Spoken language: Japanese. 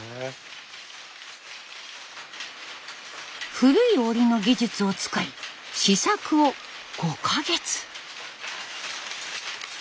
古い織りの技術を使い試作を５か月。